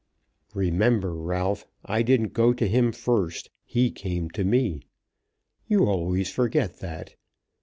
Remember, Ralph, I didn't go to him first; he came to me. You always forget that.